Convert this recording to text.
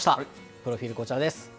プロフィール、こちらです。